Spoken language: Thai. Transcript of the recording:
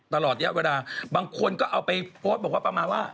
ตลอดระยะเวลาบางคนก็เอาไปโพสต์บอกว่าประมาณว่า